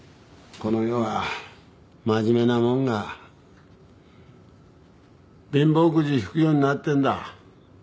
この世は真面目なもんが貧乏くじ引くようになってんだ。